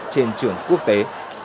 trên trường quốc tế